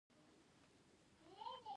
کله چې افغانستان کې ولسواکي وي کلي اباد وي.